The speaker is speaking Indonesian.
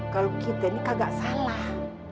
kalau kita ini kagak salah